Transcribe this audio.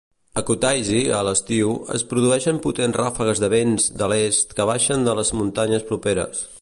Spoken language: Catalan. A Kutaisi, a l'estiu, es produeixen potents ràfegues de vents de l'est que baixen de les muntanyes properes.